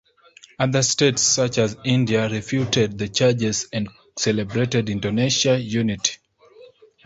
Other states such as India refuted the charges and celebrated Indonesian unity.